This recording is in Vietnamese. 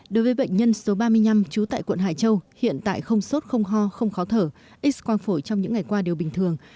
đối với bệnh nhân số ba mươi năm trú tại quận hải châu hiện tại không sốt không ho không khó thở ít quang phổi trong những ngày qua đều bình thường